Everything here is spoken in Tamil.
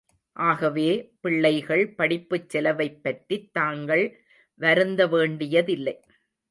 ஆகவே, பிள்ளைகள் படிப்புச் செலவைப் பற்றித் தாங்கள் வருந்த வேண்டியதில்லை.